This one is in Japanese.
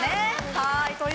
はい。